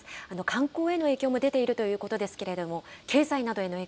観光への影響も出ているということですけれども、経済などへの影